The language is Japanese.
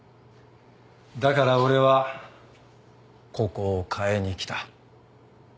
だから俺はここを変えに来た。